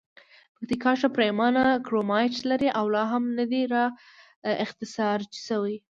پکتیکا ښه پریمانه کرومایټ لري او لا هم ندي را اختسراج شوي.